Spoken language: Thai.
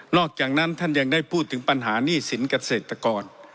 อกจากนั้นท่านยังได้พูดถึงปัญหาหนี้สินเกษตรกร